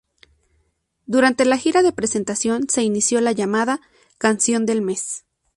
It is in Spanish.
Durante la gira de presentación se inició la llamada "Canción del Mes".